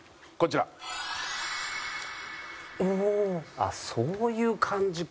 あっそういう感じか。